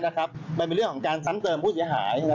มันเป็นเรื่องของการซ้ำเติมผู้เสียหาย